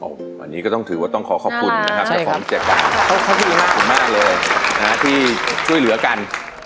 วันนี้ก็ต้องถือว่าต้องขอขอบคุณนะครับเจ้าของ๗บาทคุณมากเลยที่ช่วยเหลือกัน